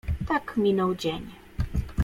Tak minął dzień.